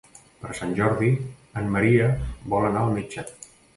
Per Sant Jordi en Maria vol anar al metge.